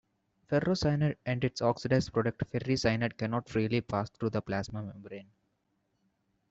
Ferrocyanide and its oxidized product ferricyanide cannot freely pass through the plasma membrane.